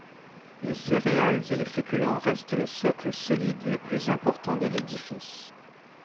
Les céréales et les féculents restent le socle solide le plus important de l’édifice.